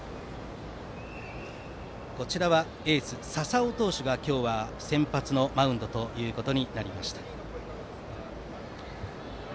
エース、笹尾投手が今日は先発マウンドとなりました。